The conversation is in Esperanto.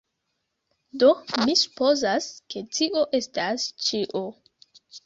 Do, mi supozas, ke tio estas ĉio